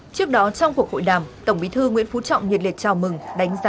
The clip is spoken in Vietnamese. trước đó trong cuộc hội đàm tổng bí thư nguyễn phú trọng nhiệt liệt chào mừng đánh giá